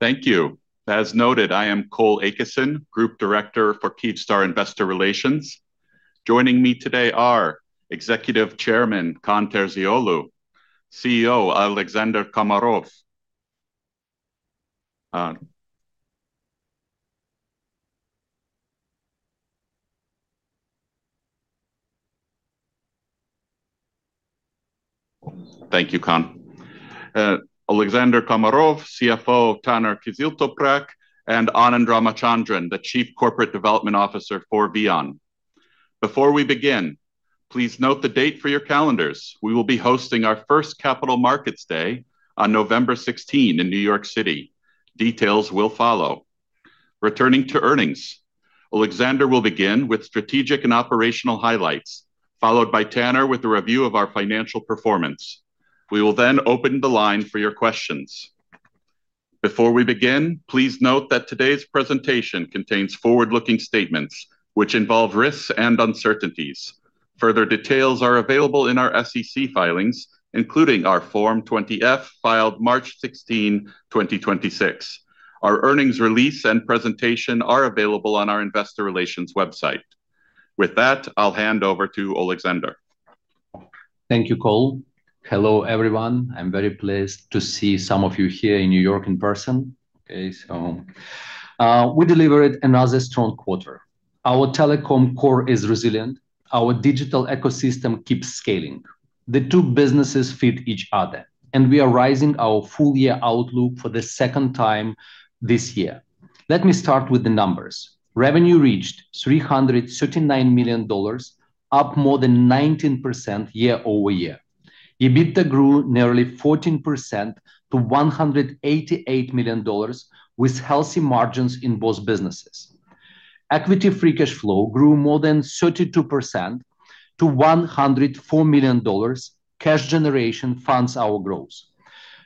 Thank you. As noted, I am Cole Akeson, Group Director for Kyivstar Investor Relations. Joining me today are Executive Chairman, Kaan Terzioğlu, CEO, Oleksandr Komarov. Thank you, Kaan. Oleksandr Komarov, CFO, Taner Kızıltoprak, and Anand Ramachandran, the Chief Corporate Development Officer for VEON. Before we begin, please note the date for your calendars. We will be hosting our first Capital Markets Day on November 16 in New York City. Details will follow. Returning to earnings, Oleksandr will begin with strategic and operational highlights, followed by Taner with a review of our financial performance. We will open the line for your questions. Before we begin, please note that today's presentation contains forward-looking statements which involve risks and uncertainties. Further details are available in our SEC filings, including our Form 20-F filed March 16, 2026. Our earnings release and presentation are available on our investor relations website. I'll hand over to Oleksandr. Thank you, Cole. Hello, everyone. I'm very pleased to see some of you here in New York in person. We delivered another strong quarter. Our telecom core is resilient. Our digital ecosystem keeps scaling. The two businesses fit each other. We are raising our full year outlook for the second time this year. Let me start with the numbers. Revenue reached $339 million, up more than 19% year-over-year. EBITDA grew nearly 14% to $188 million with healthy margins in both businesses. Equity free cash flow grew more than 32% to $104 million. Cash generation funds our growth.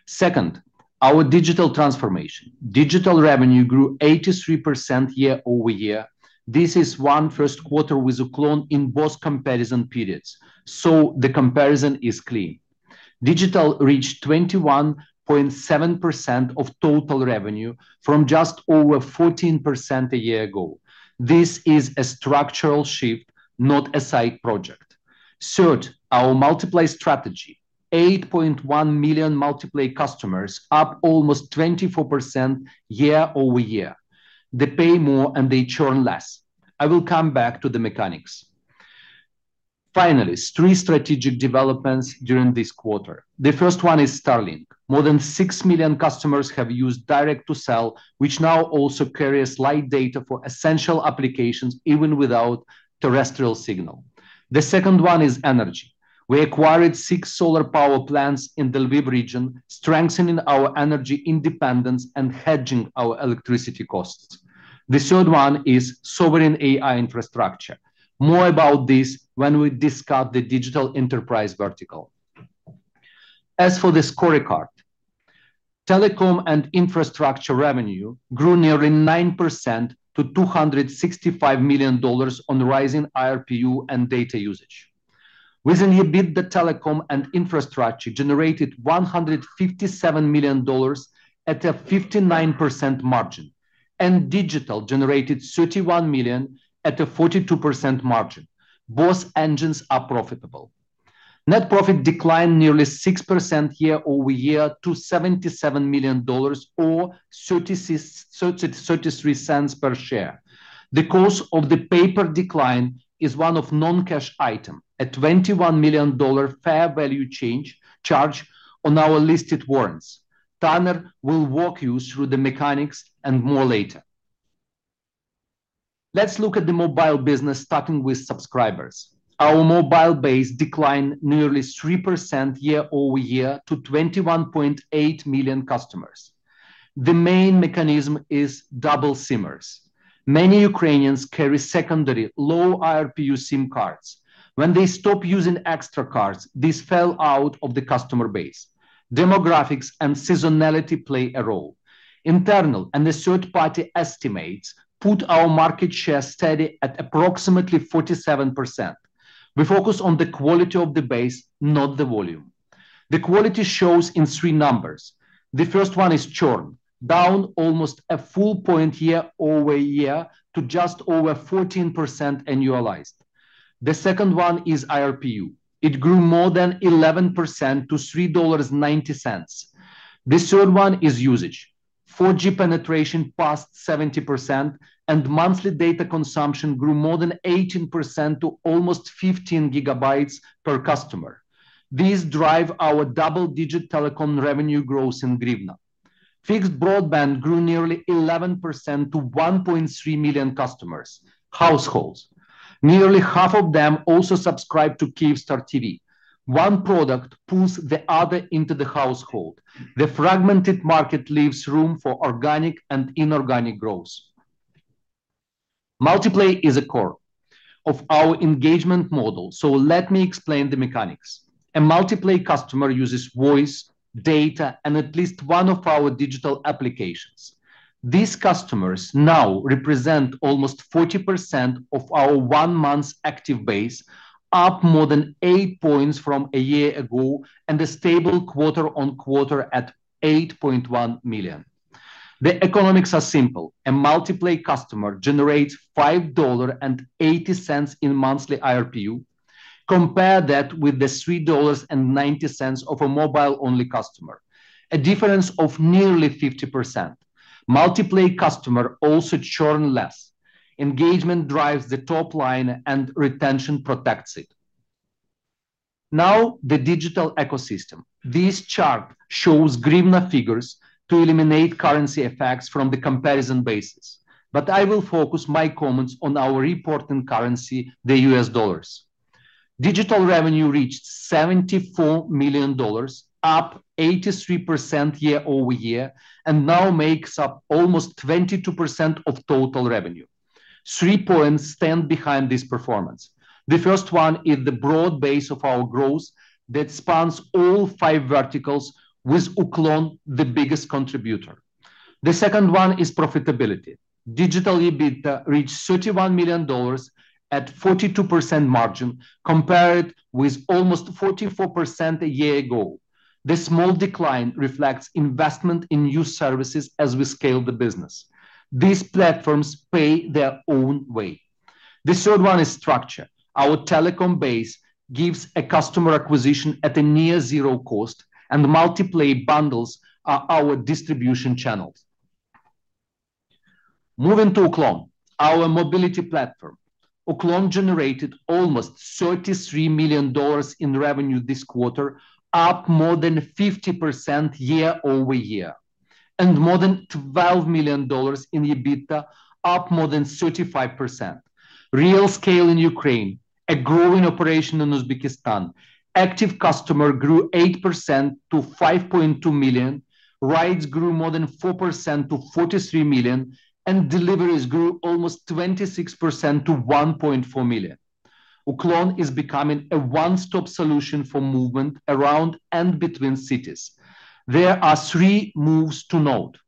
Second, our digital transformation. Digital revenue grew 83% year-over-year. This is one first quarter with Uklon in both comparison periods. The comparison is clean. Digital reached 21.7% of total revenue from just over 14% a year ago. This is a structural shift, not a side project. Third, our Multiplay strategy. 8.1 million Multiplay customers, up almost 24% year-over-year. They pay more. They churn less. I will come back to the mechanics. Finally, three strategic developments during this quarter. The first one is Starlink. More than 6 million customers have used Direct-to-cell, which now also carries light data for essential applications, even without terrestrial signal. The second one is energy. We acquired six solar power plants in the Lviv region, strengthening our energy independence and hedging our electricity costs. The third one is sovereign AI infrastructure. More about this when we discuss the digital enterprise vertical. As for the scorecard. Telecom and infrastructure revenue grew nearly 9% to $265 million on rising ARPU and data usage. Within EBITDA, telecom and infrastructure generated $157 million at a 59% margin, and digital generated $31 million at a 42% margin. Both engines are profitable. Net profit declined nearly 6% year-over-year to $77 million or $0.33 per share. The cause of the paper decline is one of non-cash item, a $21 million fair value charge on our listed warrants. Taner will walk you through the mechanics and more later. Let's look at the mobile business, starting with subscribers. Our mobile base declined nearly 3% year-over-year to 21.8 million customers. The main mechanism is double SIM-ers. Many Ukrainians carry secondary low-ARPU SIM cards. When they stop using extra cards, these fell out of the customer base. Demographics and seasonality play a role. Internal and third-party estimates put our market share steady at approximately 47%. We focus on the quality of the base, not the volume. The quality shows in three numbers. The first one is churn, down almost a full point year-over-year to just over 14% annualized. The second one is ARPU. It grew more than 11% to $3.90. The third one is usage. 4G penetration passed 70%, and monthly data consumption grew more than 18% to almost 15 GB per customer. These drive our double-digit telecom revenue growth in UAH. Fixed broadband grew nearly 11% to 1.3 million customers. Households. Nearly half of them also subscribe to Kyivstar TV. One product pulls the other into the household. The fragmented market leaves room for organic and inorganic growth. Multiplay is a core of our engagement model. Let me explain the mechanics. A Multiplay customer uses voice, data, and at least one of our digital applications. These customers now represent almost 40% of our one-month active base, up more than eight points from a year ago, and a stable quarter-on-quarter at 8.1 million. The economics are simple. A Multiplay customer generates $5.80 in monthly ARPU. Compare that with the $3.90 of a mobile-only customer, a difference of nearly 50%. Multiplay customer also churn less. Engagement drives the top line and retention protects it. Now, the digital ecosystem. This chart shows UAH figures to eliminate currency effects from the comparison basis. I will focus my comments on our report in currency, the U.S. dollars. Digital revenue reached $74 million, up 83% year-over-year, and now makes up almost 22% of total revenue. Three points stand behind this performance. The first one is the broad base of our growth that spans all five verticals with Uklon the biggest contributor. The second one is profitability. Digital EBITDA reached $31 million at 42% margin compared with almost 44% a year ago. This small decline reflects investment in new services as we scale the business. These platforms pay their own way. The third one is structure. Our telecom base gives a customer acquisition at a near zero cost, and Multiplay bundles are our distribution channels. Moving to Uklon, our mobility platform. Uklon generated almost $33 million in revenue this quarter, up more than 50% year-over-year. More than $12 million in EBITDA, up more than 35%. Real scale in Ukraine, a growing operation in Uzbekistan. Active customer grew 8% to 5.2 million. Rides grew more than 4% to 43 million. Deliveries grew almost 26% to 1.4 million. Uklon is becoming a one-stop solution for movement around and between cities. There are three moves to note.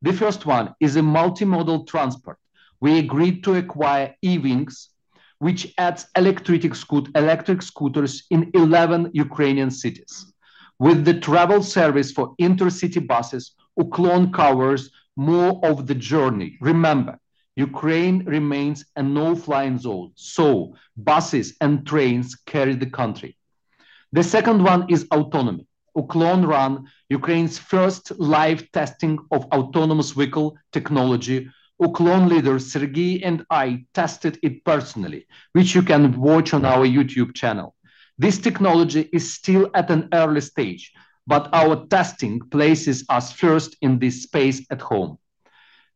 The first one is a multimodal transport. We agreed to acquire E-wings, which adds electric scooters in 11 Ukrainian cities. With the travel service for intercity buses, Uklon covers more of the journey. Remember, Ukraine remains a no-fly zone, so buses and trains carry the country. The second one is autonomy. Uklon ran Ukraine's first live testing of autonomous vehicle technology. Uklon leader, Serhii, and I tested it personally, which you can watch on our YouTube channel. This technology is still at an early stage, but our testing places us first in this space at home.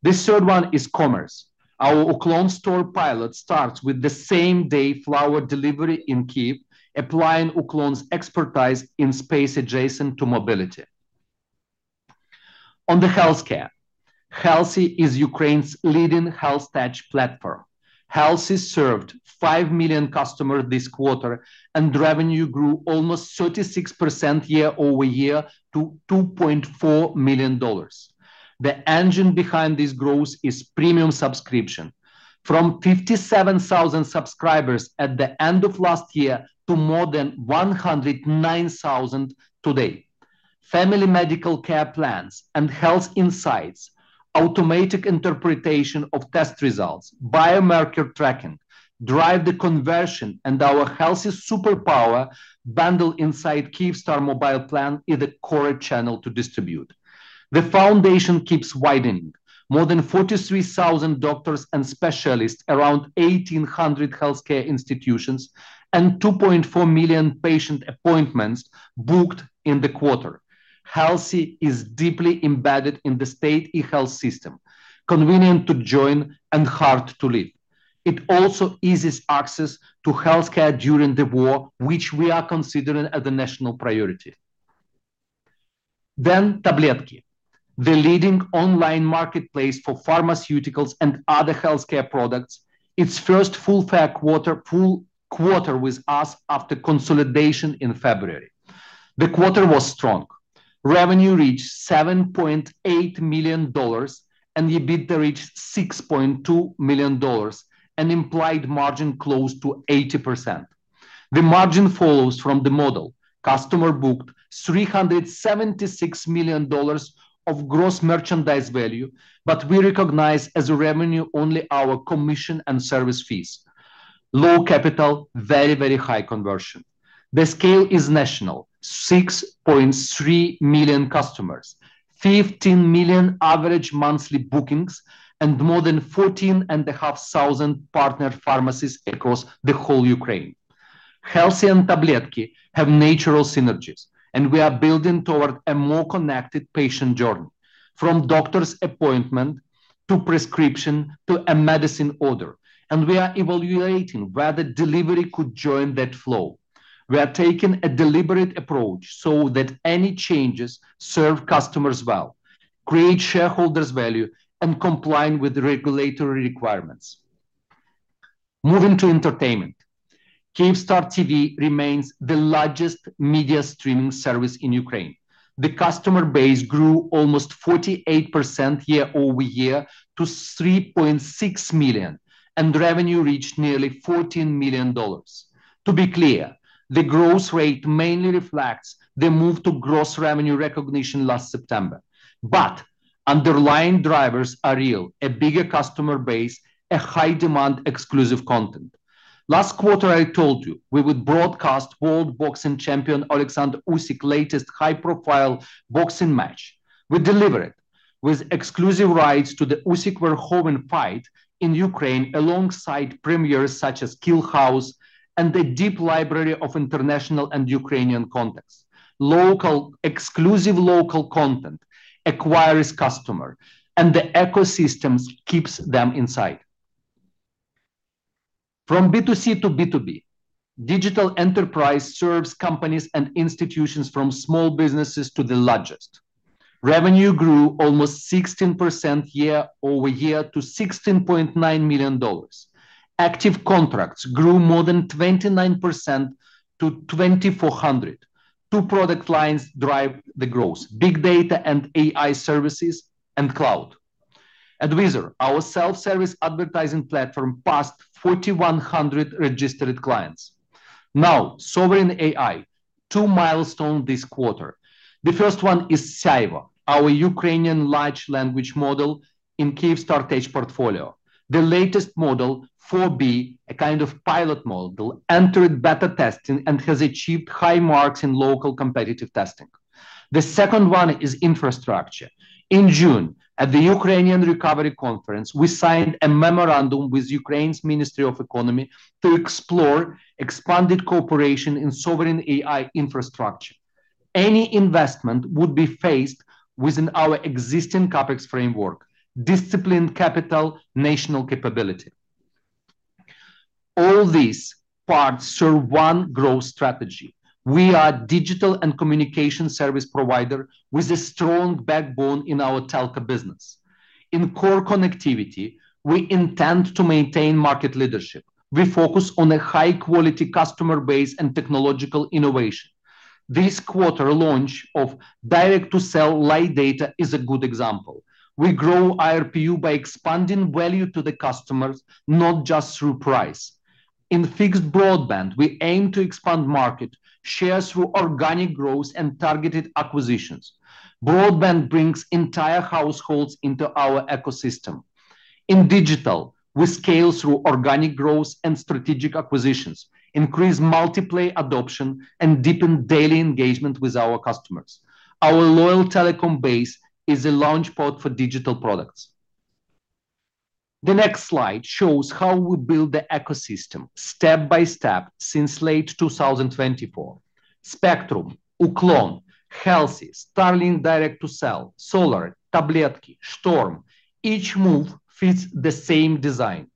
The third one is commerce. Our Uklon Store pilot starts with the same-day flower delivery in Kyiv, applying Uklon's expertise in space adjacent to mobility. On the healthcare, Helsi is Ukraine's leading health tech platform. Helsi served 5 million customers this quarter, and revenue grew almost 36% year-over-year to $2.4 million. The engine behind this growth is premium subscription. From 57,000 subscribers at the end of last year to more than 109,000 today. Family medical care plans and health insights, automatic interpretation of test results, biomarker tracking drive the conversion, and our Helsi SuperPower bundle inside Kyivstar mobile plan is a core channel to distribute. The foundation keeps widening. More than 43,000 doctors and specialists, around 1,800 healthcare institutions, and 2.4 million patient appointments booked in the quarter. Helsi is deeply embedded in the state e-health system, convenient to join and hard to leave. It also eases access to healthcare during the war, which we are considering as a national priority. Tabletki.ua, the leading online marketplace for pharmaceuticals and other healthcare products. Its first full quarter with us after consolidation in February. The quarter was strong. Revenue reached $7.8 million, and EBITDA reached $6.2 million, an implied margin close to 80%. The margin follows from the model. Customer booked $376 million of gross merchandise value. We recognize as revenue only our commission and service fees. Low capital, very high conversion. The scale is national. 6.3 million customers, 15 million average monthly bookings, and more than 14,500 partner pharmacies across the whole Ukraine. Helsi and Tabletki.ua have natural synergies. We are building toward a more connected patient journey. From doctor's appointment to prescription to a medicine order. We are evaluating whether delivery could join that flow. We are taking a deliberate approach so that any changes serve customers well, create shareholders value, and comply with regulatory requirements. Moving to entertainment, Kyivstar TV remains the largest media streaming service in Ukraine. The customer base grew almost 48% year-over-year to 3.6 million, and revenue reached nearly $14 million. To be clear, the growth rate mainly reflects the move to gross revenue recognition last September. Underlying drivers are real: a bigger customer base, a high-demand exclusive content. Last quarter, I told you we would broadcast world boxing champion Oleksandr Usyk's latest high-profile boxing match. We delivered with exclusive rights to the Usyk-Rico fight in Ukraine, alongside premieres such as "Kill House" and a deep library of international and Ukrainian content. Exclusive local content acquires customer. The ecosystems keeps them inside. From B2C to B2B, digital enterprise serves companies and institutions from small businesses to the largest. Revenue grew almost 16% year-over-year to $16.9 million. Active contracts grew more than 29% to 2,400. Two product lines drive the growth: big data and AI services and cloud. Advisor, our self-service advertising platform, passed 4,100 registered clients. Now, sovereign AI. Two milestones this quarter. The first one is Syayvo, our Ukrainian large language model in Kyivstar Tech portfolio. The latest model 4B, a kind of pilot model, entered beta testing and has achieved high marks in local competitive testing. The second one is infrastructure. In June, at the Ukraine Recovery Conference, we signed a memorandum with Ukraine's Ministry of Economy to explore expanded cooperation in sovereign AI infrastructure. Any investment would be faced within our existing CapEx framework: disciplined capital, national capability. All these parts serve one growth strategy. We are a digital and communication service provider with a strong backbone in our telco business. In core connectivity, we intend to maintain market leadership. We focus on a high-quality customer base and technological innovation. This quarter launch of Direct-to-cell light data is a good example. We grow ARPU by expanding value to the customers, not just through price. In fixed broadband, we aim to expand market share through organic growth and targeted acquisitions. Broadband brings entire households into our ecosystem. In digital, we scale through organic growth and strategic acquisitions, increase Multiplay adoption, and deepen daily engagement with our customers. Our loyal telecom base is a launchpad for digital products. The next slide shows how we build the ecosystem step by step since late 2024. spectrum, Uklon, Helsi, Starlink Direct-to-cell, solar, Tabletki.ua, Shtorm. Each move fits the same design.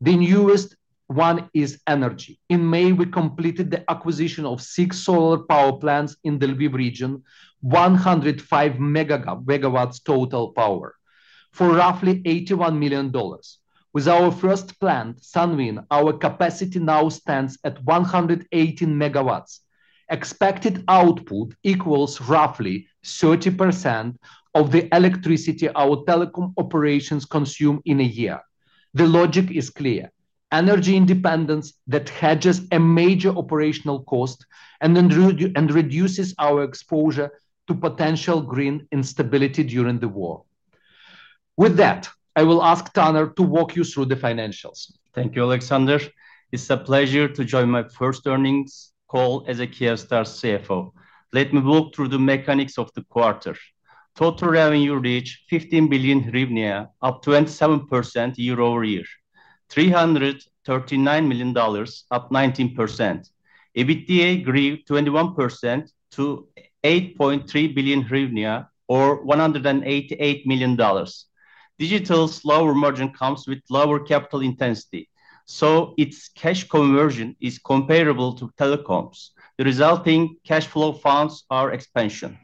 The newest one is energy. In May, we completed the acquisition of six solar power plants in the Lviv region, 105 MW total power for roughly $81 million. With our first plant, Sunvin 11, our capacity now stands at 118 MW. Expected output equals roughly 30% of the electricity our telecom operations consume in a year. The logic is clear. Energy independence that hedges a major operational cost and reduces our exposure to potential green instability during the war. With that, I will ask Taner to walk you through the financials. Thank you, Oleksandr. It's a pleasure to join my first earnings call as a Kyivstar CFO. Let me walk through the mechanics of the quarter. Total revenue reached UAH 15 billion, up 27% year-over-year. $339 million, up 19%. EBITDA grew 21% to UAH 8.3 billion or $188 million. Digital's lower margin comes with lower capital intensity, so its cash conversion is comparable to telecoms. The resulting cash flow funds our expansion.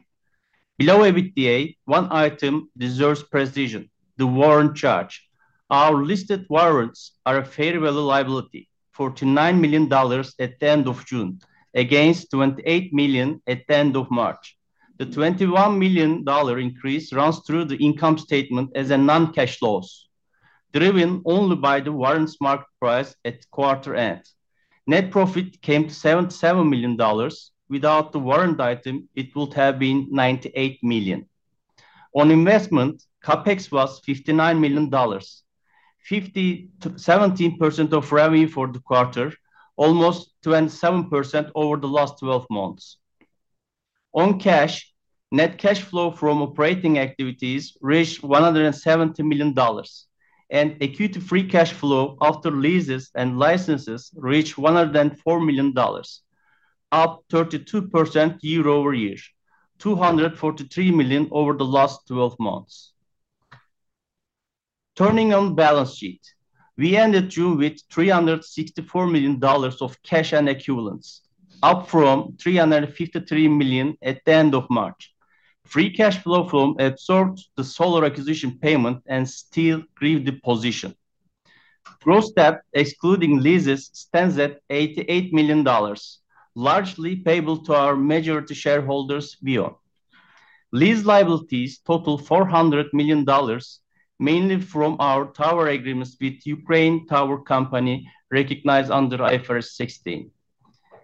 Below EBITDA, one item deserves precision: the warrant charge. Our listed warrants are a fair value liability, $49 million at the end of June, against $28 million at the end of March. The $21 million increase runs through the income statement as a non-cash loss, driven only by the warrants market price at quarter end. Net profit came to $77 million. Without the warrant item, it would have been $98 million. On investment, CapEx was $59 million. 17% of revenue for the quarter, almost 27% over the last 12 months. On cash, net cash flow from operating activities reached $170 million, and equity free cash flow after leases and licenses reached $104 million, up 32% year-over-year. $243 million over the last 12 months. Turning on balance sheet. We ended June with $364 million of cash and equivalents, up from $353 million at the end of March. Free cash flow absorbs the Solar acquisition payment and still grew the position. Gross debt, excluding leases, stands at $88 million, largely payable to our majority shareholders, VEON. Lease liabilities total $400 million, mainly from our tower agreements with Ukraine Tower Company, recognized under IFRS 16.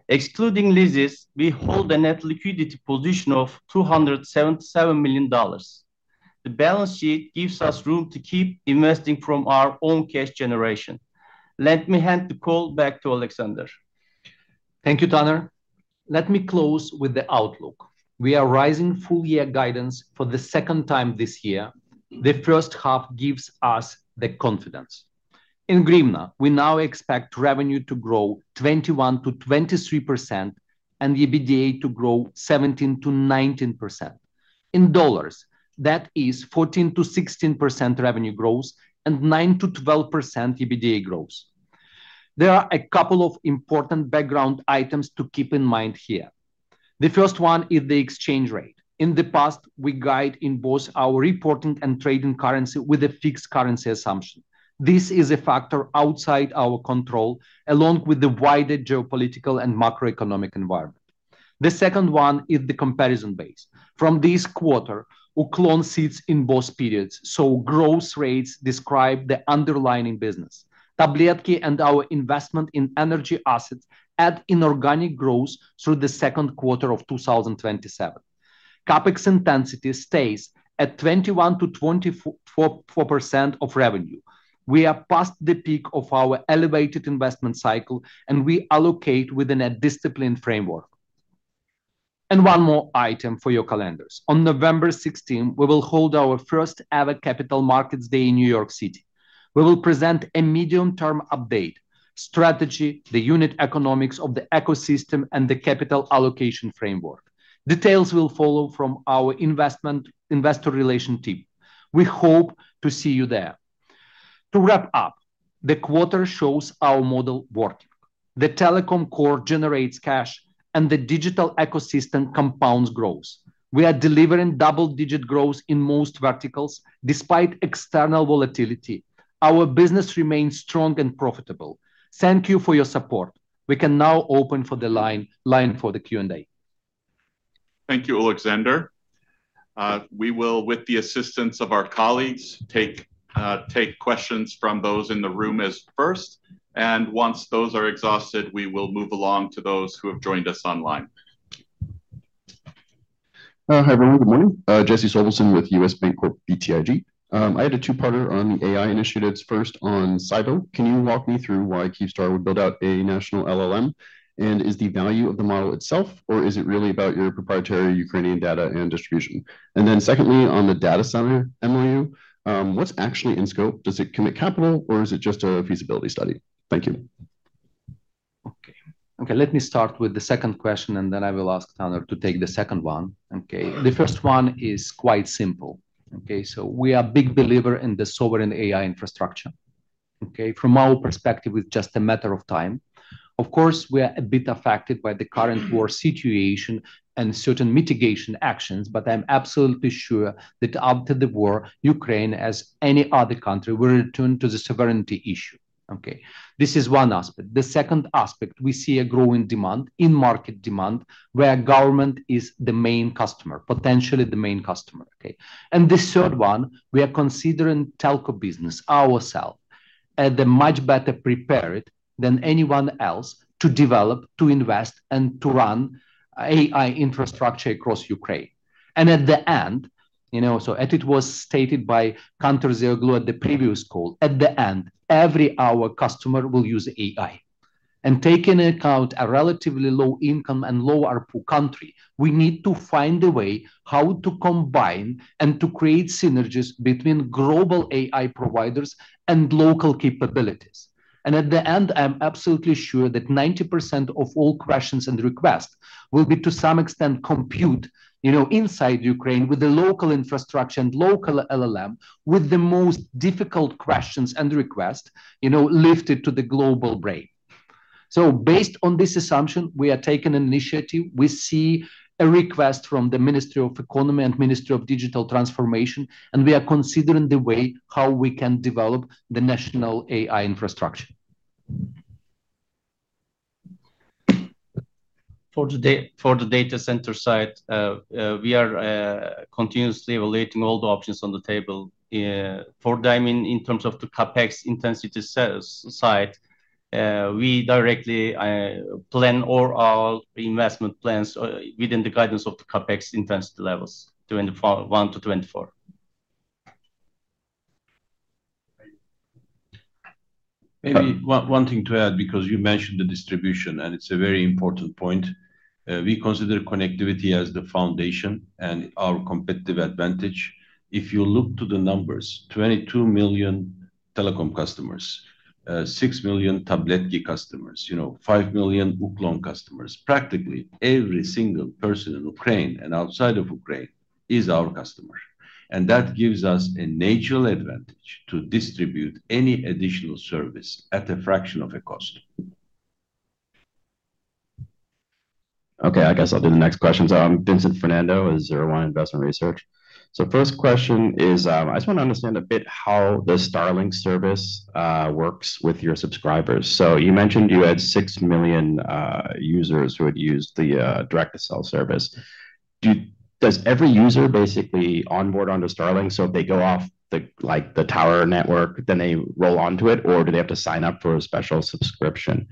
Excluding leases, we hold a net liquidity position of $277 million. The balance sheet gives us room to keep investing from our own cash generation. Let me hand the call back to Oleksandr. Thank you, Taner. Let me close with the outlook. We are raising full-year guidance for the second time this year. The first half gives us the confidence. In UAH, we now expect revenue to grow 21%-23% and EBITDA to grow 17%-19%. In U.S. Dollars, that is 14%-16% revenue growth and 9%-12% EBITDA growth. There are a couple of important background items to keep in mind here. The first one is the exchange rate. In the past, we guide in both our reporting and trading currency with a fixed currency assumption. This is a factor outside our control, along with the wider geopolitical and macroeconomic environment. The second one is the comparison base. From this quarter, Uklon sits in both periods. Growth rates describe the underlying business. Tabletki.ua and our investment in energy assets add inorganic growth through the second quarter of 2027. CapEx intensity stays at 21%-24% of revenue. We are past the peak of our elevated investment cycle. We allocate within a disciplined framework. One more item for your calendars. On November 16, we will hold our first-ever Capital Markets Day in New York City. We will present a medium-term update, strategy, the unit economics of the ecosystem, and the capital allocation framework. Details will follow from our investor relations team. We hope to see you there. To wrap up, the quarter shows our model working. The telecom core generates cash, and the digital ecosystem compounds growth. We are delivering double-digit growth in most verticals. Despite external volatility, our business remains strong and profitable. Thank you for your support. We can now open the line for the Q&A. Thank you, Oleksandr. We will, with the assistance of our colleagues, take questions from those in the room first, and once those are exhausted, we will move along to those who have joined us online. Hi, everyone. Good morning. Jesse Sobelson with BTIG. I had a two-parter on the AI initiatives. First, on Syayvo, can you walk me through why Kyivstar would build out a national LLM? Is the value of the model itself, or is it really about your proprietary Ukrainian data and distribution? Secondly, on the data center MOU, what's actually in scope? Does it commit capital, or is it just a feasibility study? Thank you. Let me start with the second question, then I will ask Taner to take the second one. The first one is quite simple. We are a big believer in the sovereign AI infrastructure. From our perspective, it's just a matter of time. Of course, we are a bit affected by the current war situation and certain mitigation actions, I'm absolutely sure that after the war, Ukraine, as any other country, will return to the sovereignty issue. This is one aspect. The second aspect, we see a growing demand, in-market demand, where government is the main customer, potentially the main customer. The third one, we are considering telco business ourselves as much better prepared than anyone else to develop, to invest, and to run AI infrastructure across Ukraine. At the end, as it was stated by Kaan Terzioğlu at the previous call, at the end, every customer will use AI. Taking into account a relatively low-income and low-ARPU country, we need to find a way how to combine and to create synergies between global AI providers and local capabilities. At the end, I'm absolutely sure that 90% of all questions and requests will be, to some extent, compute inside Ukraine with the local infrastructure and local LLM, with the most difficult questions and requests lifted to the global brain. Based on this assumption, we are taking an initiative. We see a request from the Ministry of Economy and Ministry of Digital Transformation, we are considering the way how we can develop the national AI infrastructure. For the data center side, we are continuously evaluating all the options on the table. For [VEON], in terms of the CapEx intensity side, we directly plan all our investment plans within the guidance of the CapEx intensity levels, 21%-24%. Maybe one thing to add, because you mentioned the distribution, and it is a very important point. We consider connectivity as the foundation and our competitive advantage. If you look to the numbers, 22 million telecom customers, 6 million Tabletki.ua customers, 5 million Uklon customers. Practically every single person in Ukraine and outside of Ukraine is our customer. That gives us a natural advantage to distribute any additional service at a fraction of the cost. Okay, I guess I will do the next question. I am Vincent Fernando with Zero One Investment Research. First question is, I just want to understand a bit how the Starlink service works with your subscribers. You mentioned you had 6 million users who had used the Direct-to-cell service. Does every user basically onboard onto Starlink? If they go off the tower network, then they roll onto it, or do they have to sign up for a special subscription?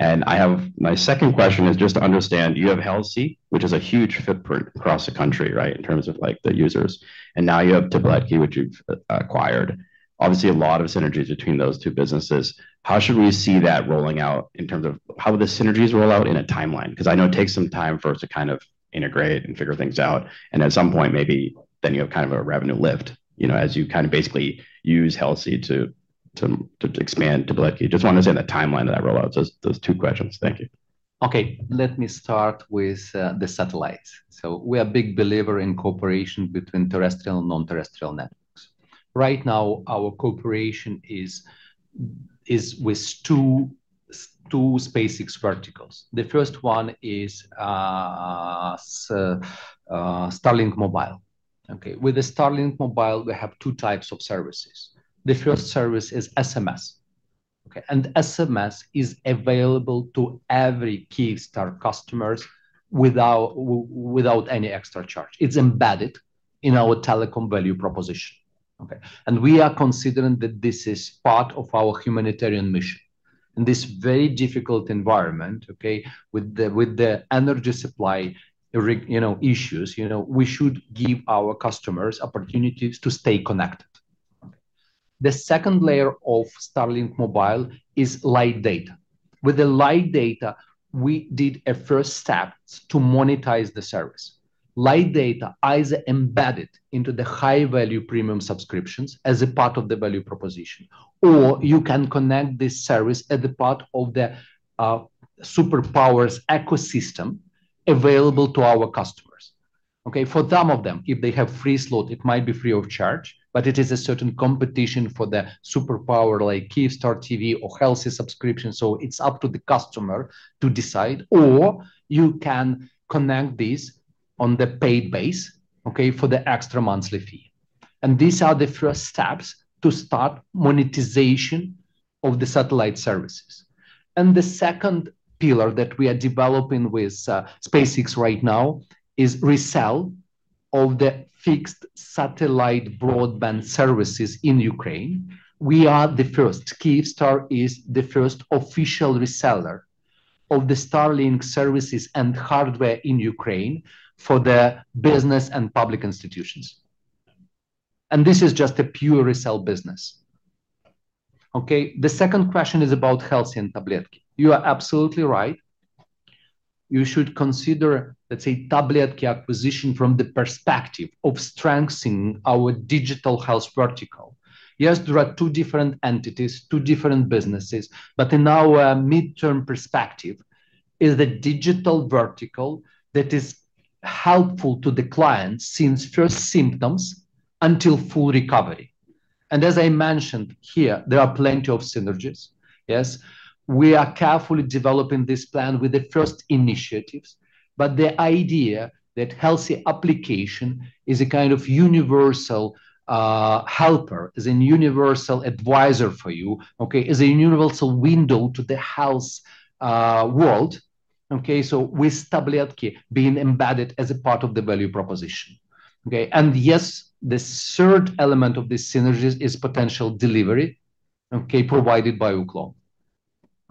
My second question is just to understand, you have Helsi, which is a huge footprint across the country, right, in terms of the users. Now you have Tabletki.ua, which you have acquired. Obviously, a lot of synergies between those two businesses. How should we see that rolling out in terms of how the synergies roll out in a timeline? Because I know it takes some time for it to integrate and figure things out, and at some point maybe then you have a revenue lift as you basically use Helsi to expand Tabletki.ua. I just want to understand the timeline of that rollout. That is those two questions. Thank you. Let me start with the satellites. We are a big believer in cooperation between terrestrial and non-terrestrial networks. Right now, our cooperation is with two SpaceX verticals. The first one is Starlink Mobile. With the Starlink Mobile, we have two types of services. The first service is SMS. SMS is available to every Kyivstar customers without any extra charge. It's embedded in our telecom value proposition. We are considering that this is part of our humanitarian mission. In this very difficult environment, with the energy supply issues, we should give our customers opportunities to stay connected. The second layer of Starlink Mobile is light data. With the light data, we did a first step to monetize the service. Light data is embedded into the high-value premium subscriptions as a part of the value proposition. You can connect this service as a part of the Superpower ecosystem available to our customers. For some of them, if they have free slot, it might be free of charge, but it is a certain competition for the Superpower like Kyivstar TV or Helsi subscription. It's up to the customer to decide, you can connect this on the paid base for the extra monthly fee. These are the first steps to start monetization of the satellite services. The second pillar that we are developing with SpaceX right now is resell of the fixed satellite broadband services in Ukraine. We are the first. Kyivstar is the first official reseller of the Starlink services and hardware in Ukraine for the business and public institutions. This is just a pure resell business. The second question is about Helsi and Tabletki.ua. You are absolutely right. You should consider, let's say, Tabletki.ua Acquisition from the perspective of strengthening our digital health vertical. Yes, there are two different entities, two different businesses, but in our midterm perspective is the digital vertical that is helpful to the client since first symptoms until full recovery. As I mentioned here, there are plenty of synergies. Yes, we are carefully developing this plan with the first initiatives, the idea that Helsi application is a kind of universal helper, is an universal advisor for you, is a universal window to the health world, with Tabletki.ua being embedded as a part of the value proposition. Yes, the third element of this synergy is potential delivery provided by Uklon.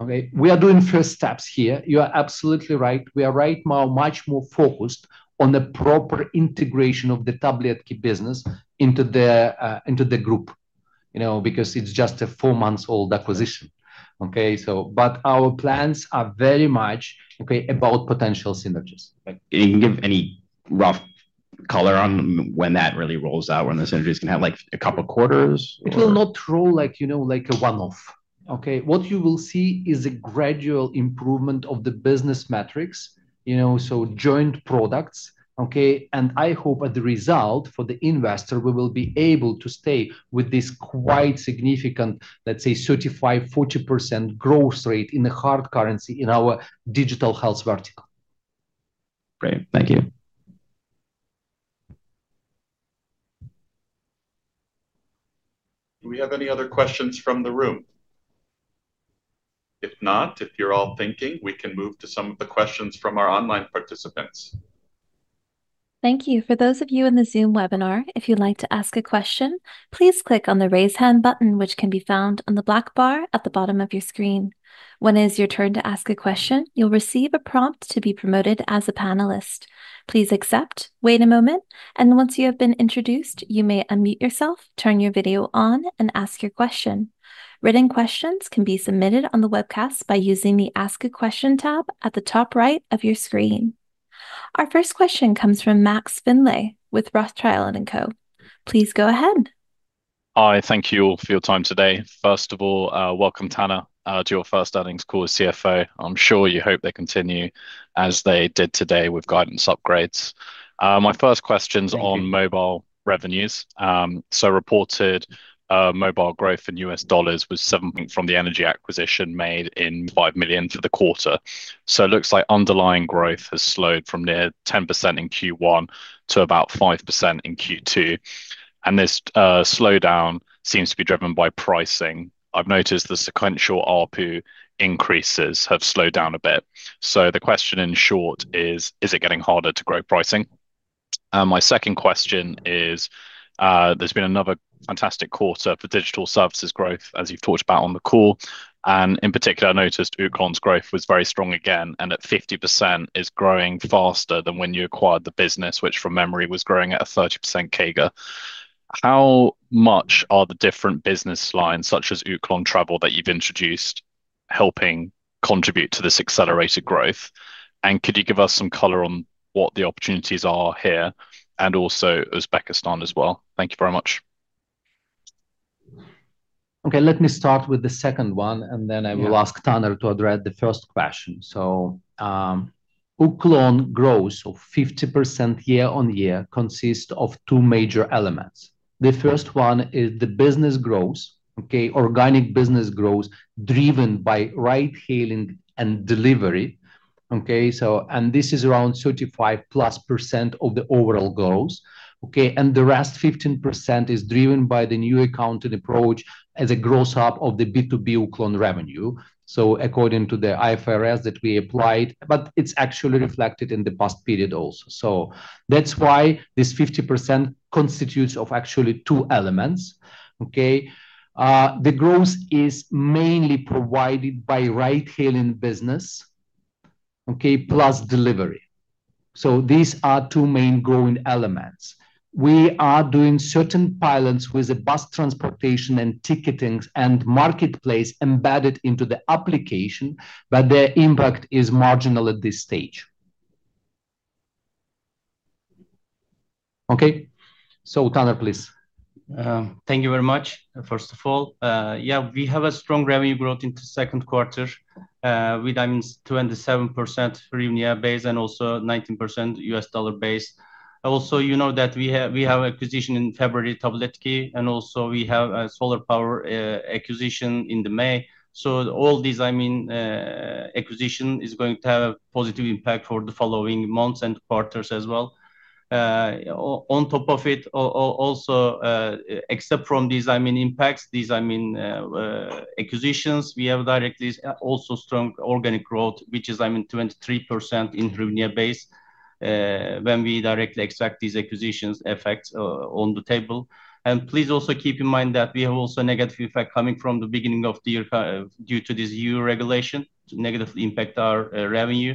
We are doing first steps here. You are absolutely right. We are right now much more focused on the proper integration of the Tabletki.ua Business into the group, because it's just a four-month-old acquisition. Our plans are very much about potential synergies. Can you give any rough color on when that really rolls out, when the synergies can have a couple of quarters? It will not roll like a one-off. Okay. What you will see is a gradual improvement of the business metrics, so joint products, okay. I hope as a result for the investor, we will be able to stay with this quite significant, let's say 35%-40% growth rate in the hard currency in our digital health vertical. Great. Thank you. Do we have any other questions from the room? If not, if you're all thinking, we can move to some of the questions from our online participants. Thank you. For those of you in the Zoom webinar, if you'd like to ask a question, please click on the raise hand button, which can be found on the black bar at the bottom of your screen. When it is your turn to ask a question, you'll receive a prompt to be promoted as a panelist. Please accept, wait a moment, and once you have been introduced, you may unmute yourself, turn your video on, and ask your question. Written questions can be submitted on the webcast by using the Ask a Question tab at the top right of your screen. Our first question comes from Max Findlay with Rothschild & Co. Please go ahead. Hi. Thank you all for your time today. First of all, welcome, Taner, to your first earnings call as CFO. I'm sure you hope they continue as they did today with guidance upgrades. My first question's on mobile revenues. Reported mobile growth in U.S. dollars was from the energy acquisition made in $5 million for the quarter. So looks like underlying growth has slowed from near 10% in Q1 to about 5% in Q2, and this slowdown seems to be driven by pricing. I've noticed the sequential ARPU increases have slowed down a bit. The question, in short, is: Is it getting harder to grow pricing? My second question is, there's been another fantastic quarter for digital services growth, as you've talked about on the call, and in particular, I noticed Uklon's growth was very strong again, and at 50%, is growing faster than when you acquired the business, which from memory was growing at a 30% CAGR. How much are the different business lines, such as Uklon Travel, that you've introduced, helping contribute to this accelerated growth? Could you give us some color on what the opportunities are here and also Uzbekistan as well? Thank you very much. Okay. Let me start with the second one, and then I will ask Taner to address the first question. Uklon growth of 50% year-on-year consists of two major elements. The first one is the business growth, organic business growth driven by ride hailing and delivery. Okay? This is around 35%+ of the overall growth. Okay? The rest, 15%, is driven by the new accounting approach as a gross-up of the B2B Uklon revenue, so according to the IFRS that we applied. It's actually reflected in the past period also. That's why this 50% constitutes of actually two elements. Okay? The growth is mainly provided by ride hailing business, plus delivery. These are two main growing elements. We are doing certain pilots with the bus transportation and ticketing and marketplace embedded into the application, but their impact is marginal at this stage. Taner, please. Thank you very much. First of all, we have a strong revenue growth into second quarter, with, I mean, 27% UAH base and also 19% U.S. dollar base. You know that we have acquisition in February, Tabletki.ua, and also we have a solar power acquisition in the May. All these, I mean, acquisition is going to have a positive impact for the following months and quarters as well. On top of it also, except from these impacts, these acquisitions, we have directly also strong organic growth, which is 23% in UAH base, when we directly extract these acquisitions' effects on the table. Please also keep in mind that we have also negative effect coming from the beginning of the year due to this new regulation to negatively impact our revenue.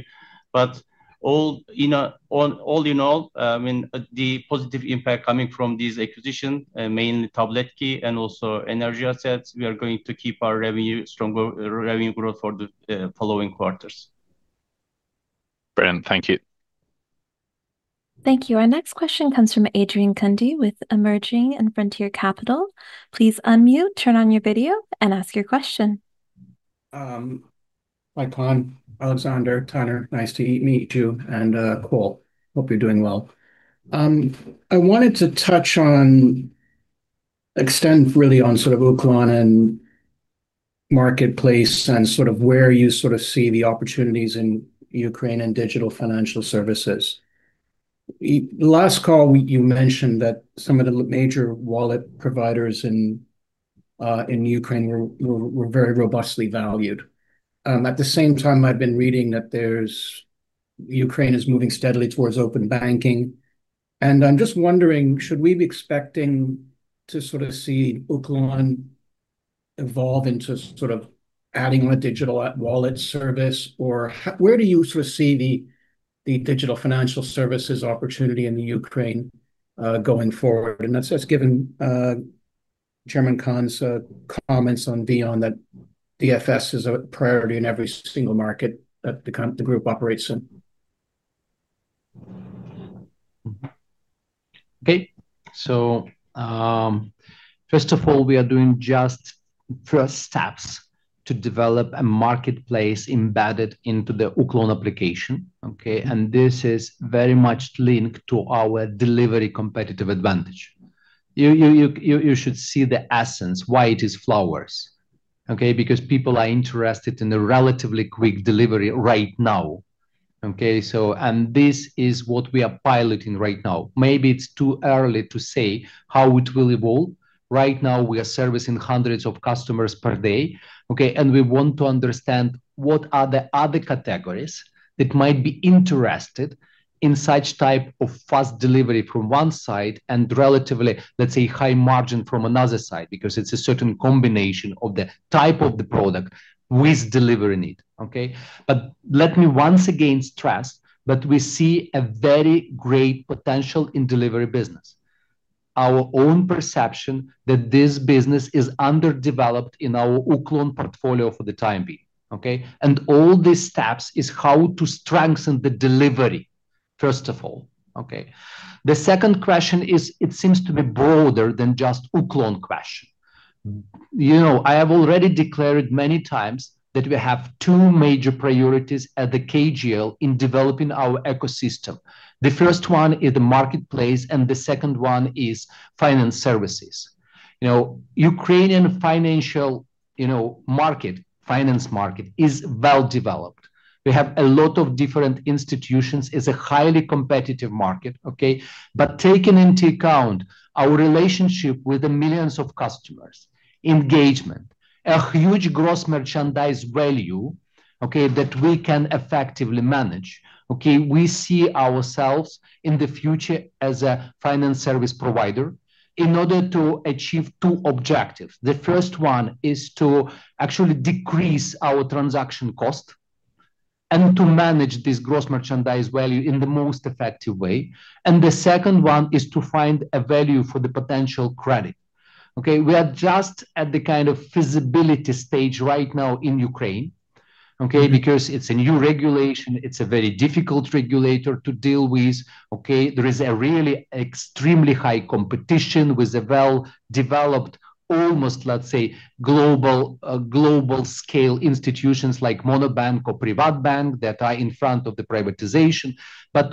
All in all, the positive impact coming from this acquisition, mainly Tabletki.ua and also energy assets, we are going to keep our revenue stronger, revenue growth for the following quarters. Brilliant. Thank you. Thank you. Our next question comes from Adrian Cundy with Emerging and Frontier Capital. Please unmute, turn on your video, and ask your question. Hi, Kaan, Oleksandr, Taner. Nice to meet you. Cole, hope you're doing well. I wanted to touch on extent really on sort of Uklon and marketplace and sort of where you sort of see the opportunities in Ukraine and digital financial services. Last call, you mentioned that some of the major wallet providers in Ukraine were very robustly valued. At the same time, I've been reading that Ukraine is moving steadily towards open banking, I'm just wondering, should we be expecting to sort of see Uklon evolve into sort of adding a digital wallet service? Where do you sort of see the digital financial services opportunity in Ukraine, going forward? That's just given Chairman Kaan's comments on VEON that DFS is a priority in every single market that the group operates in. First of all, we are doing just first steps to develop a marketplace embedded into the Uklon application. Okay? This is very much linked to our delivery competitive advantage. You should see the essence why it is flowers. Okay? Because people are interested in a relatively quick delivery right now. Okay, this is what we are piloting right now. Maybe it's too early to say how it will evolve. Right now we are servicing hundreds of customers per day, okay, we want to understand what are the other categories that might be interested in such type of fast delivery from one side, and relatively, let's say, high margin from another side, because it's a certain combination of the type of the product with delivery need. Okay? Let me once again stress that we see a very great potential in delivery business. Our own perception that this business is underdeveloped in our Uklon portfolio for the time being, okay? All these steps is how to strengthen the delivery First of all. Okay. The second question seems to be broader than just Uklon question. I have already declared many times that we have two major priorities at the KGL in developing our ecosystem. The first one is the marketplace, and the second one is finance services. Ukrainian finance market is well-developed. We have a lot of different institutions. It's a highly competitive market, okay? Taking into account our relationship with the millions of customers, engagement, a huge gross merchandise value, that we can effectively manage. We see ourselves in the future as a finance service provider in order to achieve two objectives. The first one is to actually decrease our transaction cost and to manage this gross merchandise value in the most effective way. The second one is to find a value for the potential credit. We are just at the kind of feasibility stage right now in Ukraine. It's a new regulation, it's a very difficult regulator to deal with. There is a really extremely high competition with a well-developed almost, let's say, global scale institutions like Monobank or PrivatBank that are in front of the privatization.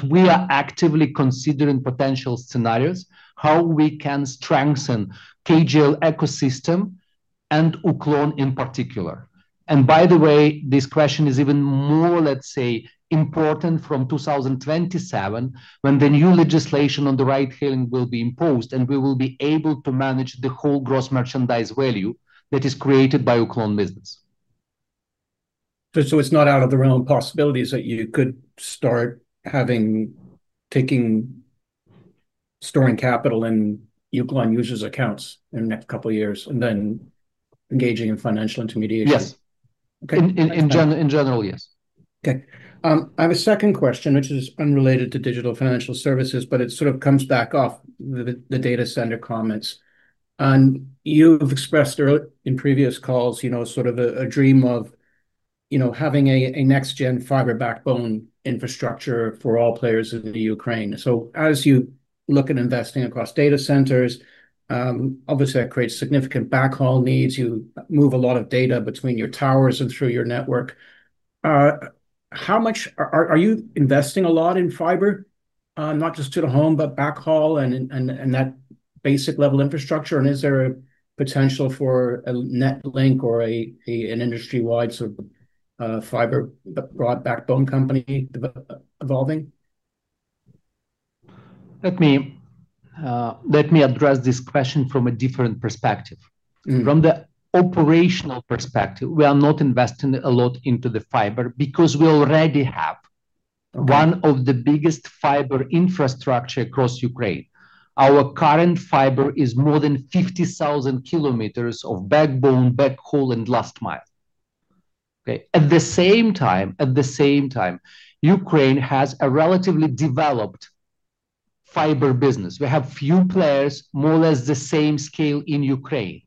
We are actively considering potential scenarios, how we can strengthen KGL ecosystem and Uklon in particular. By the way, this question is even more, let's say, important from 2027 when the new legislation on the ride-hailing will be imposed, and we will be able to manage the whole gross merchandise value that is created by Uklon business. It's not out of the realm of possibilities that you could start storing capital in Uklon users' accounts in the next couple of years, and then engaging in financial intermediation. Yes. Okay. In general, yes. Okay. I have a second question, which is unrelated to digital financial services, it sort of comes back off the data center comments. You've expressed in previous calls a dream of having a next-gen fiber backbone infrastructure for all players in the Ukraine. As you look at investing across data centers, obviously that creates significant backhaul needs. You move a lot of data between your towers and through your network. Are you investing a lot in fiber? Not just to the home, but backhaul and that basic level infrastructure, and is there a potential for a [NetCo] or an industry-wide fiber broad backbone company evolving? Let me address this question from a different perspective. From the operational perspective, we are not investing a lot into the fiber because we already have one of the biggest fiber infrastructure across Ukraine. Our current fiber is more than 50,000 km of backbone, backhaul, and last mile. Okay? At the same time, Ukraine has a relatively developed fiber business. We have few players, more or less the same scale in Ukraine.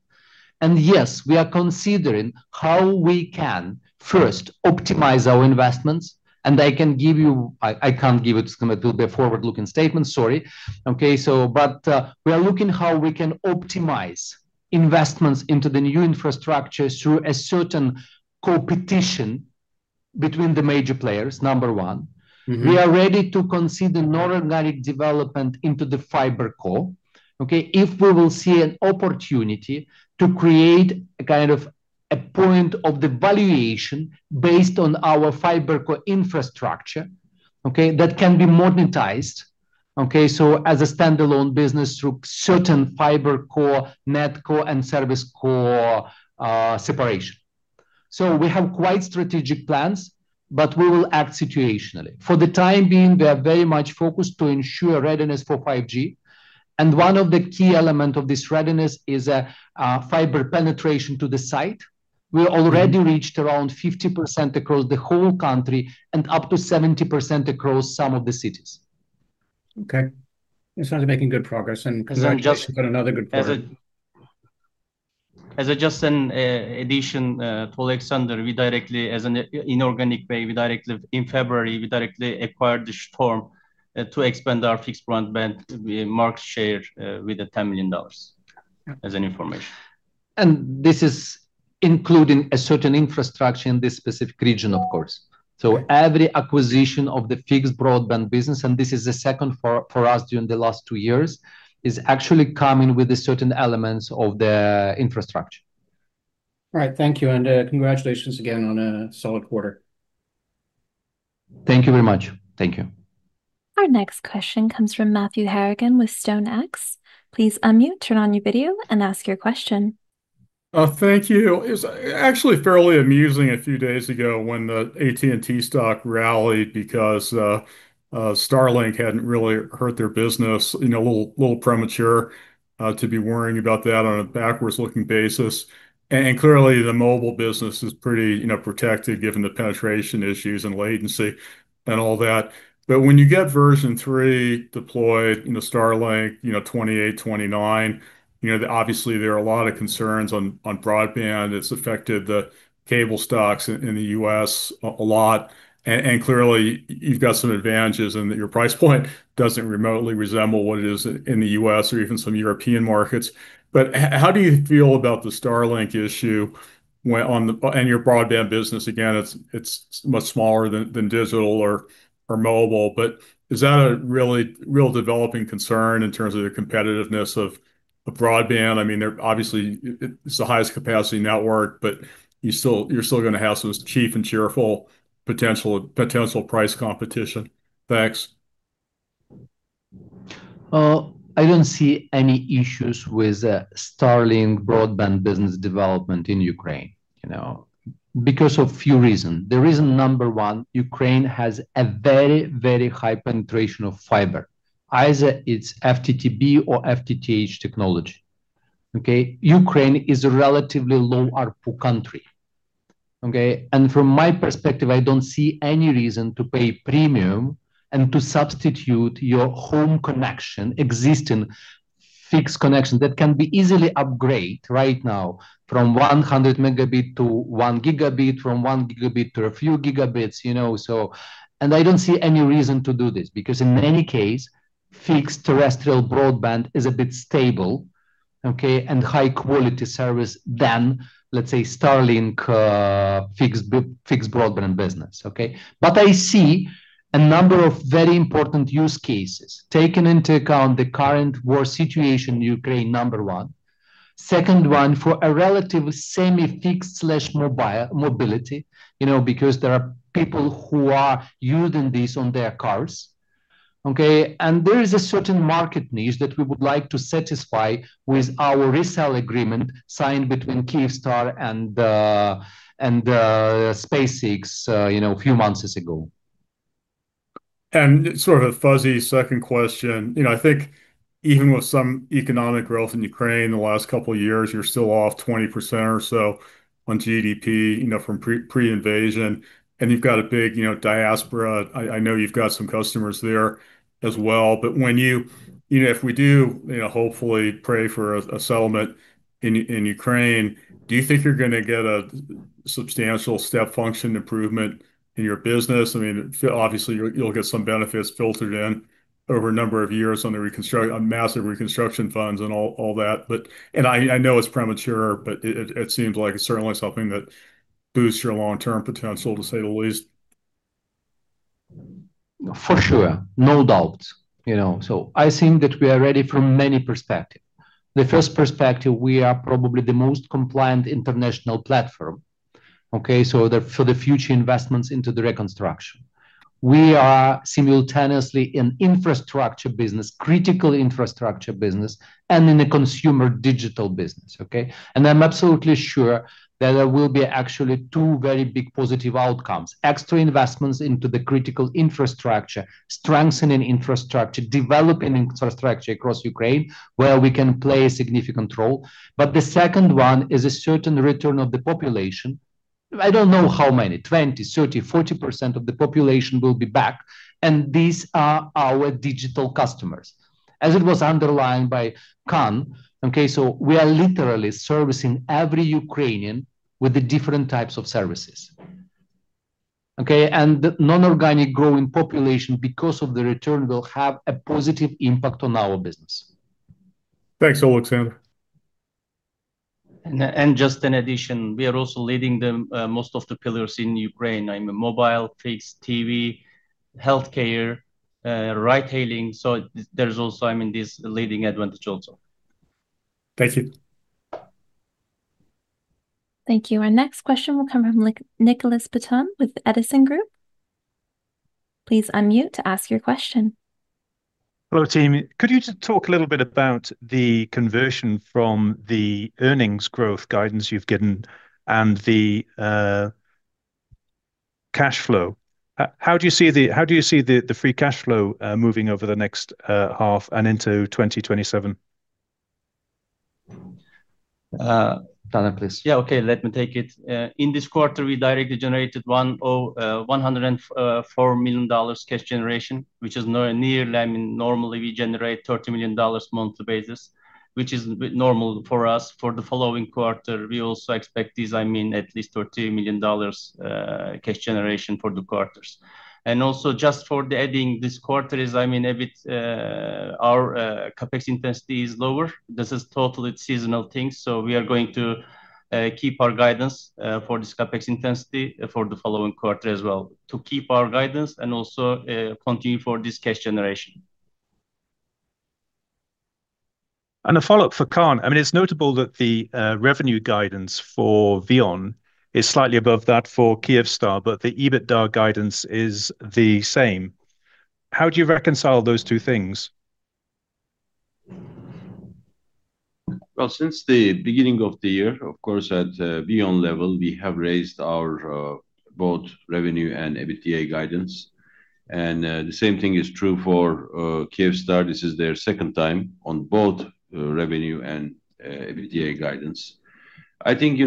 Yes, we are considering how we can, first, optimize our investments. I can't give it's going to be a forward-looking statement. Sorry. Okay? We are looking how we can optimize investments into the new infrastructure through a certain competition between the major players, number one. We are ready to consider non-organic development into the fiber core if we will see an opportunity to create a point of the valuation based on our fiber core infrastructure that can be monetized. As a standalone business through certain fiber core, net core, and service core separation. We have quite strategic plans, we will act situationally. For the time being, we are very much focused to ensure readiness for 5G, and one of the key element of this readiness is fiber penetration to the site. We already reached around 50% across the whole country and up to 70% across some of the cities. Okay. You sound like you're making good progress, congratulations on another good quarter. As just an addition to Oleksandr, we directly, as an inorganic way, we directly, in February, we directly acquired Shtorm to expand our fixed broadband market share with the $10 million. As an information. This is including a certain infrastructure in this specific region, of course. Every acquisition of the fixed broadband business, and this is the second for us during the last two years, is actually coming with the certain elements of the infrastructure. All right. Thank you, and congratulations again on a solid quarter. Thank you very much. Thank you. Our next question comes from Matthew Harrigan with StoneX. Please unmute, turn on your video and ask your question. Thank you. It was actually fairly amusing a few days ago when the AT&T stock rallied because Starlink hadn't really hurt their business. A little premature to be worrying about that on a backwards-looking basis. Clearly the mobile business is pretty protected given the penetration issues and latency and all that. When you get version 3 deployed, Starlink 28, 29, obviously there are a lot of concerns on broadband. It's affected the cable stocks in the U.S. a lot, and clearly you've got some advantages in that your price point doesn't remotely resemble what it is in the U.S. or even some European markets. How do you feel about the Starlink issue and your broadband business? Again, it's much smaller than digital or mobile, but is that a real developing concern in terms of the competitiveness of broadband? Obviously it's the highest capacity network, you're still going to have some cheap and cheerful potential price competition. Thanks. I don't see any issues with Starlink broadband business development in Ukraine because of few reasons. The reason number one, Ukraine has a very, very high penetration of fiber. Either it's FTTB or FTTH technology. Ukraine is a relatively low ARPU country. From my perspective, I don't see any reason to pay premium and to substitute your home connection, existing fixed connection that can be easily upgraded right now from 100 Mbps to 1 Gbps, from 1 Gbps to a few gigabits. I don't see any reason to do this because in any case, fixed terrestrial broadband is a more stable and high-quality service than, let's say, Starlink fixed broadband business. I see a number of very important use cases taken into account the current war situation in Ukraine, number one. Second one, for a relative semi-fixed/mobility, because there are people who are using this on their cars. There is a certain market niche that we would like to satisfy with our resale agreement signed between Kyivstar and SpaceX a few months ago. Sort of a fuzzy second question. I think even with some economic growth in Ukraine in the last couple of years, you're still off 20% or so on GDP from pre-invasion, and you've got a big diaspora. I know you've got some customers there as well. If we do hopefully pray for a settlement in Ukraine, do you think you're going to get a substantial step function improvement in your business? Obviously you'll get some benefits filtered in over a number of years on massive reconstruction funds and all that. I know it's premature, but it seems like it's certainly something that boosts your long-term potential, to say the least. For sure. No doubt. I think that we are ready from many perspectives. The first perspective, we are probably the most compliant international platform for the future investments into the reconstruction. We are simultaneously in infrastructure business, critical infrastructure business, and in a consumer digital business. I'm absolutely sure that there will be actually two very big positive outcomes. Extra investments into the critical infrastructure, strengthening infrastructure, developing infrastructure across Ukraine where we can play a significant role. The second one is a certain return of the population. I don't know how many, 20%, 30%, 40% of the population will be back, and these are our digital customers. As it was underlined by Kaan, we are literally servicing every Ukrainian with the different types of services. The non-organic growing population, because of the return, will have a positive impact on our business. Thanks, Oleksandr. Just in addition, we are also leading most of the pillars in Ukraine. I mean mobile, fixed TV, healthcare, ride hailing. There's also this leading advantage also. Thank you. Thank you. Our next question will come from Nicholas Paton with the Edison Group. Please unmute to ask your question. Hello, team. Could you just talk a little bit about the conversion from the earnings growth guidance you've given and the cash flow? How do you see the free cash flow moving over the next half and into 2027? Taner, please. Okay, let me take it. In this quarter, we directly generated $104 million cash generation, which is not a norm. Normally, we generate $30 million monthly basis, which is normal for us. For the following quarter, we also expect this at least $30 million cash generation for the quarters. Also, just for adding this quarter is our CapEx intensity is lower. This is totally seasonal things. We are going to keep our guidance for this CapEx intensity for the following quarter as well to keep our guidance and also continue for this cash generation. A follow-up for Kaan. It's notable that the revenue guidance for VEON is slightly above that for Kyivstar, but the EBITDA guidance is the same. How do you reconcile those two things? Well, since the beginning of the year, of course, at VEON level, we have raised our both revenue and EBITDA guidance. The same thing is true for Kyivstar. This is their second time on both revenue and EBITDA guidance. I think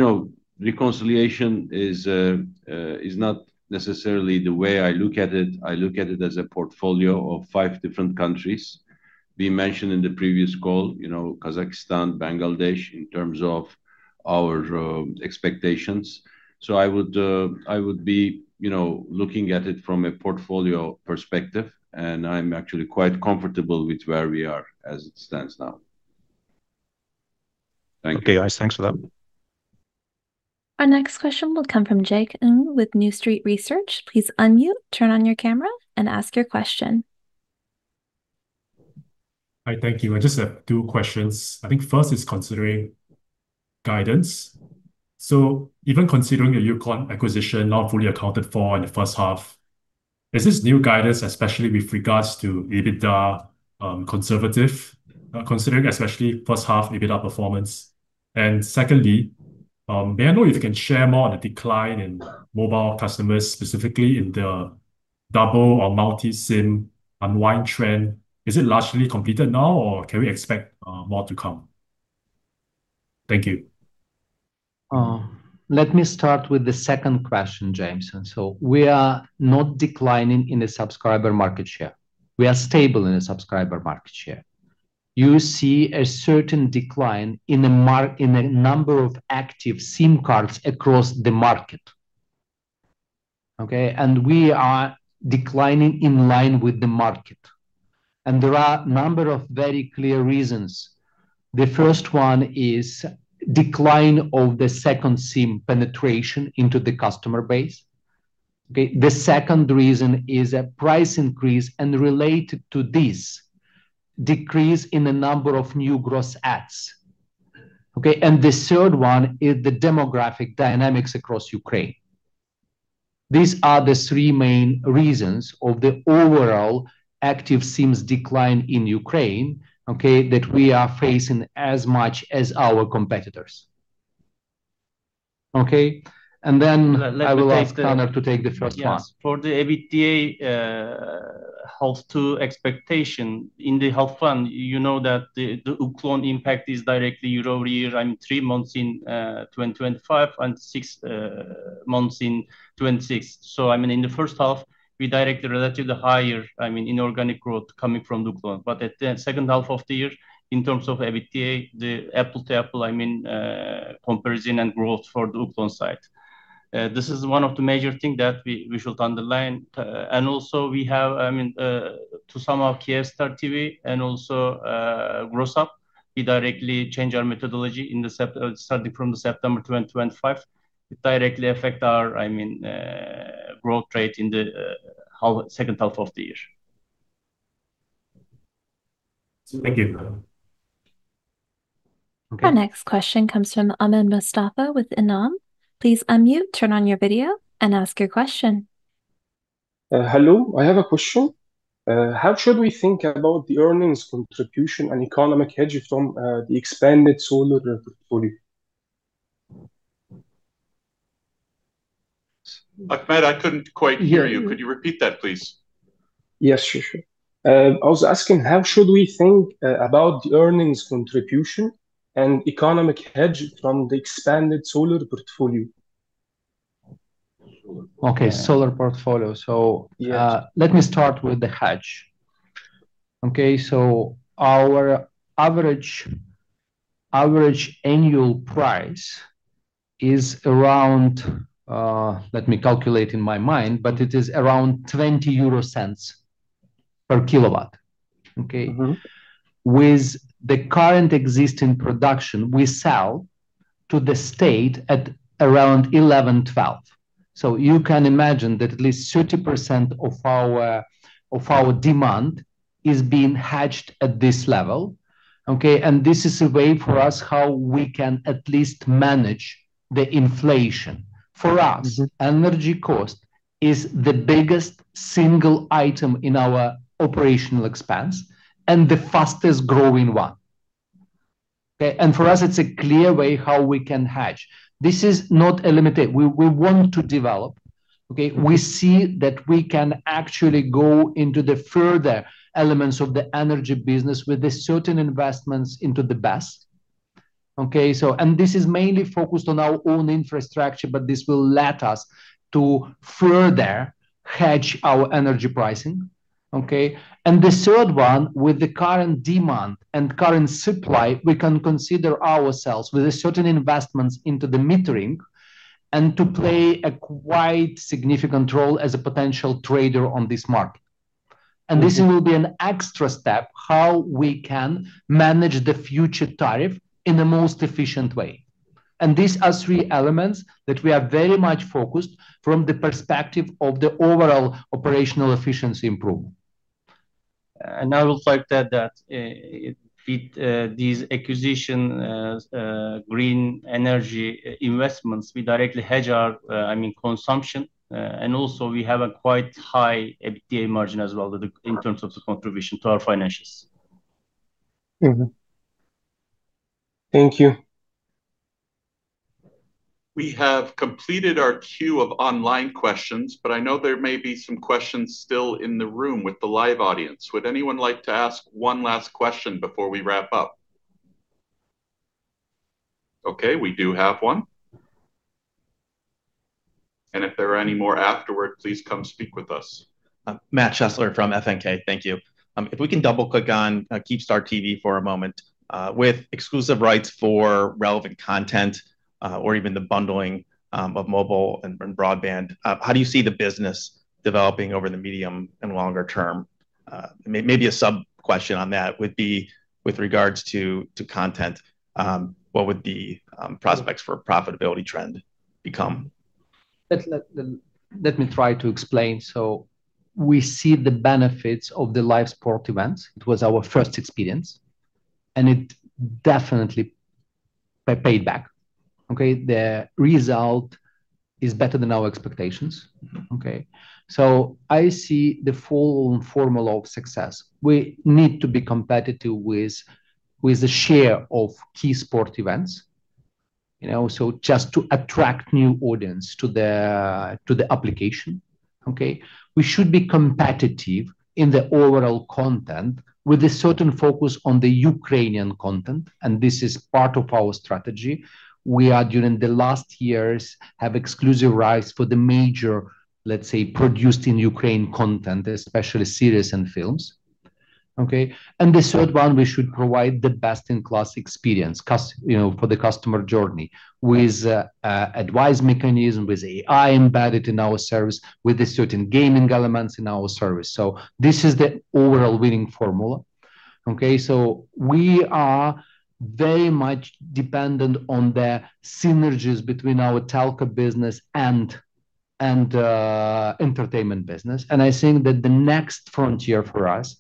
reconciliation is not necessarily the way I look at it. I look at it as a portfolio of five different countries. We mentioned in the previous call, Kazakhstan, Bangladesh, in terms of our expectations. I would be looking at it from a portfolio perspective, and I'm actually quite comfortable with where we are as it stands now. Thank you. Okay, guys. Thanks for that. Our next question will come from James Ong with New Street Research. Please unmute, turn on your camera, and ask your question. Hi. Thank you. I just have two questions. I think first is considering guidance. Even considering your Uklon acquisition not fully accounted for in the first half, is this new guidance, especially with regards to EBITDA, conservative, considering especially first half EBITDA performance? Secondly, may I know if you can share more on the decline in mobile customers, specifically in the double or multi-SIM unwind trend. Is it largely completed now, or can we expect more to come? Thank you. Let me start with the second question, James Ong. We are not declining in the subscriber market share. We are stable in the subscriber market share. You see a certain decline in the number of active SIM cards across the market. We are declining in line with the market. There are a number of very clear reasons. The first one is decline of the second SIM penetration into the customer base. The second reason is a price increase and related to this, decrease in the number of new gross adds. The third one is the demographic dynamics across Ukraine. These are the three main reasons of the overall active SIMs decline in Ukraine that we are facing as much as our competitors. I will ask Taner to take the first one. Yes. For the EBITDA half two expectation, in the half one, you know that the Uklon impact is directly year-over-year, three months in 2025 and six months in 2026. In the first half, we directed relatively higher inorganic growth coming from Uklon. At the second half of the year, in terms of EBITDA, the apple-to-apple comparison and growth for the Uklon side. This is one of the major thing that we should underline. We have to sum up Kyivstar TV and also gross-up. We directly change our methodology starting from September 2025. It directly affects our growth rate in the second half of the year. Thank you. Our next question comes from Ahmed Mostafa with inam. Please unmute, turn on your video, and ask your question. Hello. I have a question. How should we think about the earnings contribution and economic hedge from the expanded solar portfolio? Ahmed, I couldn't quite hear you. Could you repeat that, please? Yes, sure. I was asking how should we think about the earnings contribution and economic hedge from the expanded solar portfolio? Okay, solar portfolio. Yeah. Let me start with the hedge. Okay. Our average annual price is around, let me calculate in my mind, but it is around 0.20/kWh. With the current existing production, we sell to the state at around 0.11, 0.12. You can imagine that at least 30% of our demand is being hedged at this level. Okay. This is a way for us how we can at least manage the inflation. For us, energy cost is the biggest single item in our OpEx and the fastest-growing one. Okay. For us, it's a clear way how we can hedge. This is not a limited. We want to develop. Okay. We see that we can actually go into the further elements of the energy business with the certain investments into the best. Okay. This is mainly focused on our own infrastructure, but this will let us to further hedge our energy pricing. Okay. The third one, with the current demand and current supply, we can consider ourselves with the certain investments into the metering and to play a quite significant role as a potential trader on this market. This will be an extra step how we can manage the future tariff in the most efficient way. These are three elements that we are very much focused from the perspective of the overall operational efficiency improvement. I will further that with these acquisition green energy investments, we directly hedge our consumption. Also we have a quite high EBITDA margin as well in terms of the contribution to our financials. Thank you We have completed our queue of online questions. I know there may be some questions still in the room with the live audience. Would anyone like to ask one last question before we wrap up? We do have one. If there are any more afterward, please come speak with us. Matt Chesler from FNK IR. Thank you. If we can double-click on Kyivstar TV for a moment. With exclusive rights for relevant content, or even the bundling of mobile and broadband, how do you see the business developing over the medium and longer term? Maybe a sub-question on that would be with regards to content. What would the prospects for a profitability trend become? Let me try to explain. We see the benefits of the live sport events. It was our first experience, and it definitely paid back. The result is better than our expectations. I see the full formula of success. We need to be competitive with the share of key sport events, so just to attract new audience to the application. We should be competitive in the overall content with a certain focus on the Ukrainian content. This is part of our strategy. We are, during the last years, have exclusive rights for the major, let's say, produced in Ukraine content, especially series and films. The third one, we should provide the best-in-class experience for the customer journey with advice mechanism, with AI embedded in our service, with the certain gaming elements in our service. This is the overall winning formula. We are very much dependent on the synergies between our telco business and entertainment business. I think that the next frontier for us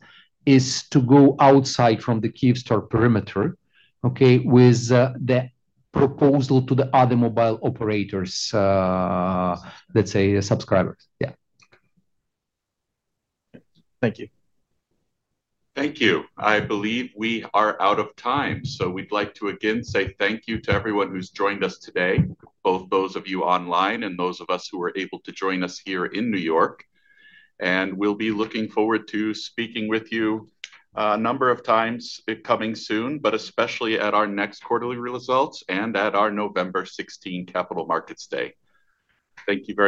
is to go outside from the Kyivstar perimeter, okay, with the proposal to the other mobile operators, let's say subscribers. Yeah. Thank you. Thank you. I believe we are out of time. We'd like to again say thank you to everyone who's joined us today, both those of you online and those of us who were able to join us here in New York. We'll be looking forward to speaking with you a number of times coming soon, but especially at our next quarterly results and at our November 16 Capital Markets Day. Thank you very much